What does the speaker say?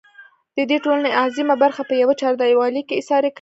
د دې ټـولنې اعظـيمه بـرخـه پـه يـوه چـارديـوالي کـې اېـسارې کـړي.